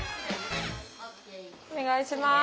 お願いします。